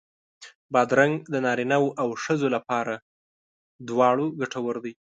بادرنګ د نارینو او ښځو لپاره دواړو ګټور دی.